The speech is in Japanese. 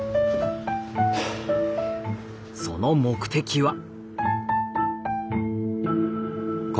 その目的は。